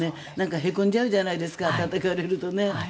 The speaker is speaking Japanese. へこんじゃうじゃないですかたたかれるとね。